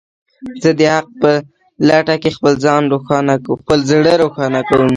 زه د حق په لټه کې خپل زړه روښانه کوم.